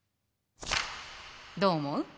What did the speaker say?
どう思う？